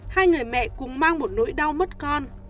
hai người mẹ cùng mang một nỗi đau mất con